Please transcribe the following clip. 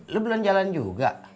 lu belan belan juga